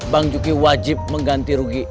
bang juki wajib mengganti rugi